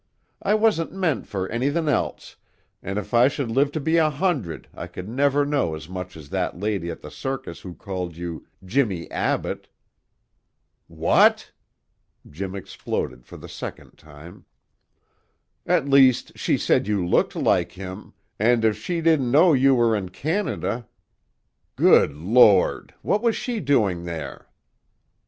I wasn't meant for anythin' else, an' if I should live to be a hundred I could never know as much as that lady at the circus who called you 'Jimmie Abbott.'" "What " Jim exploded for the second time. "At least, she said you looked like him, and if she didn't know you were in Canada " "Good Lord! What was she doing there?"